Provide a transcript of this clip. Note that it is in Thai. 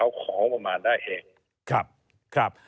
นั่นว่าเขาของบางได้เอง